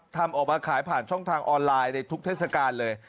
ทำออกมาขายผ่านช่องทางออนไลน์ในทุกเทศกาลเลย